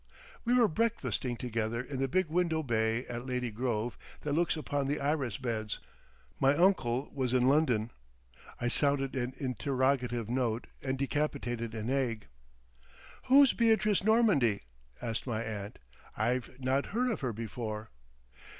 We were breakfasting together in the big window bay at Lady Grove that looks upon the iris beds; my uncle was in London. I sounded an interrogative note and decapitated an egg. "Who's Beatrice Normandy?" asked my aunt. "I've not heard of her before."